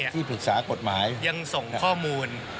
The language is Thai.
ที่ปรึกษากฎหมายยังส่งข้อมูล